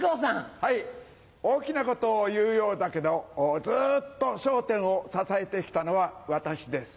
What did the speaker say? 大きなことを言うようだけどずっと『笑点』を支えて来たのは私です。